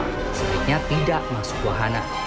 sebenarnya tidak masuk wahana